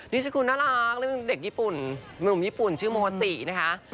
ชื่อคุณน่ารักนึกเด็กญี่ปุ่นหนุ่มญี่ปุ่นชื่อโมตินะคะ